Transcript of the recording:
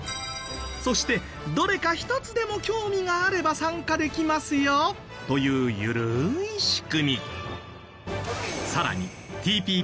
そしてどれか１つでも興味があれば参加できますよ！というゆるい仕組み。